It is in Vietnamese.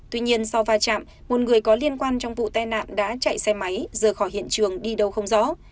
tuy nhiên sau va chạm một người có liên quan trong vụ tai nạn đã chạy xe máy rời khỏi hiện trường đi đâu không rõ